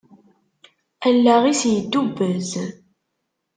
Allaɣ-is yeddubbez.